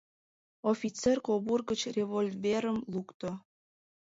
Офицер кобур гыч револьверым лукто.